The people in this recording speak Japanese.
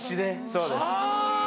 そうです。